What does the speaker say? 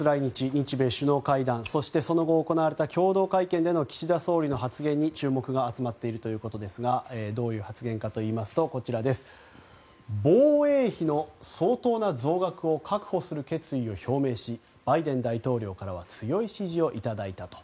日米首脳会談そして、その後行われた共同会見での岸田総理の発言に注目が集まっているということですがどういう発言かといいますと防衛費の相当な増額を確保する決意を表明しバイデン大統領からは強い支持をいただいたと。